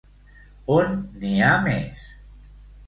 On n'hi ha més?